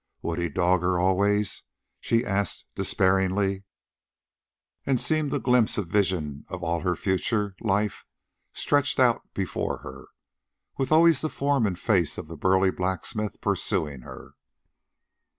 Would he dog her always? she asked despairingly, and seemed to glimpse a vision of all her future life stretched out before her, with always the form and face of the burly blacksmith pursuing her.